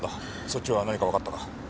そっちは何かわかったか？